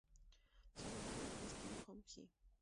Su nombre real es Kim Hong-Hee.